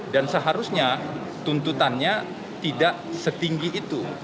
dan seharusnya tuntutannya tidak setinggi itu